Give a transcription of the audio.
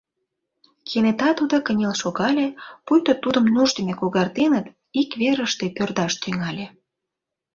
Кенета тудо кынел шогале, пуйто тудым нуж дене когартеныт, ик верыште пӧрдаш тӱҥале.